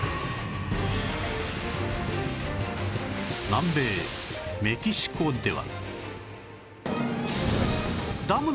南米メキシコでは